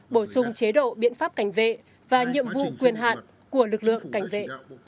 bổ sung chế độ biện pháp cảnh vệ và nhiệm vụ quyền hạn của lực lượng cảnh vệ